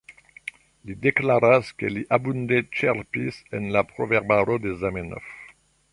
Li deklaras, ke li abunde ĉerpis el la Proverbaro de Zamenhof.